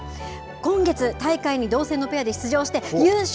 今月大会に同性のペアで出場して優勝。